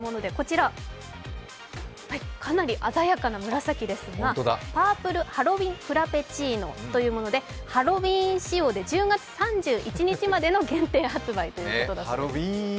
今日から発売されるもので、こちら、かなり鮮やかな紫ですがパープルハロウィンフラペチーノというもので、ハロウィーン仕様で１０月３１日までの限定発売だそうです。